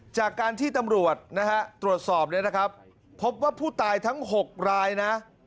จากการที่ตำรวจนะฮะตรวจสอบเนี่ยนะครับพบว่าผู้ตายทั้ง๖รายนะ